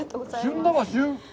旬だわ、旬。